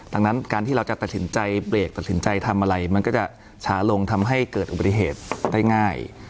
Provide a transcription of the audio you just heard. ดังนั้นการที่เราจะตัดสินใจเบรกตัดสินใจทำอะไรมันก็จะช้าลงทำให้เกิดอุบัติเหตุได้ง่าย